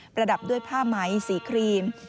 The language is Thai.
ระดับด้วยผ้าไหมสีครีม